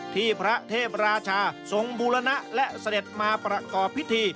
ที่พระเทพราชาทรงบูรณะและเสด็จมาประกอบพิธี